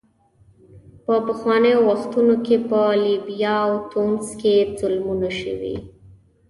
په پخوانیو وختونو کې په لیبیا او تونس کې ظلمونه شوي.